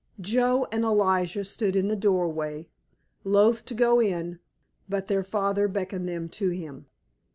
Joe and Elijah stood in the doorway, loath to go in, but their father beckoned them to him.